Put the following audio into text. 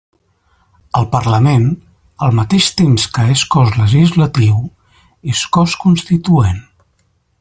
El Parlament, al mateix temps que és cos legislatiu, és cos constituent.